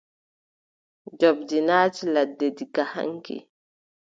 Njoɓndi naati ladde diga haŋki.